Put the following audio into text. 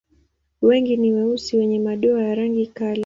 Wengi ni weusi wenye madoa ya rangi kali.